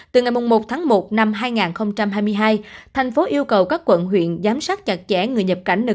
từ ngày một tháng một năm hai nghìn hai mươi hai thành phố yêu cầu các quận huyện giám sát chặt chẽ người nhập cảnh